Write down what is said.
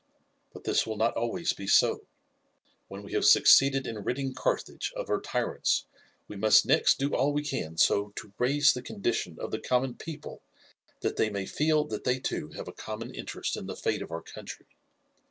But this will not always be so. When we have succeeded in ridding Carthage of her tyrants we must next do all we can so to raise the condition of the common people that they may feel that they too have a common interest in the fate of our country.